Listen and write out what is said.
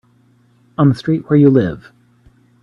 On the street where you live.